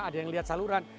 ada yang lihat saluran